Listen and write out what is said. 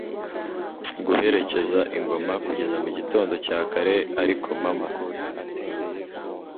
guherekeza ingoma, kugeza mugitondo cya kare. ariko mama